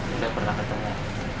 saya pernah ketemu